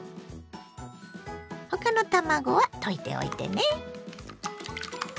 他の卵は溶いておいてね。